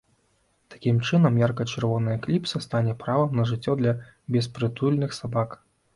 Такім чынам ярка-чырвоная кліпса стане правам на жыццё для беспрытульных сабак.